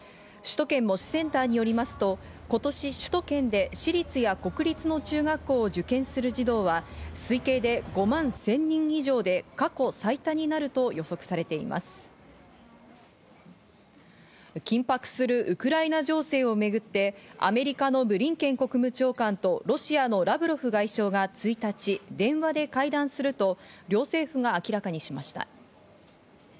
首都圏模試センターによりますと、今年首都圏で私立や国立の中学校を受験する児童は、推計で５万１０００人以上で、過去最多になると予測されていま緊迫するウクライナ情勢をめぐってアメリカのブリンケン国務長官と、ロシアのラブロフ外相が１日、電話で会談すると、両政府が明らかにしました。